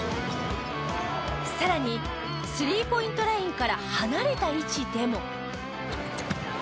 さらにスリーポイントラインから離れた位置でも。